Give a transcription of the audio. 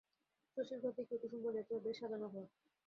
শশীর ঘর দেখিয়া কুসুম বলিয়াছিল, বেশ সাজানো ঘর।